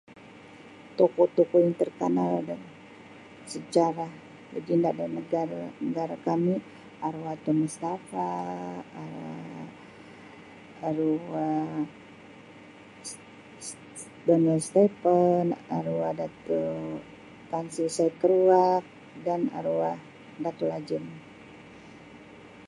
Tokoh-tokoh yang terkanal di sejarah lagenda di negare negara kami arwah Tun Mustafah, arwah arwah ste Donald Stephan, arwah Dato' Tan Sri Said Keruak dan arwah Dato' Lajim.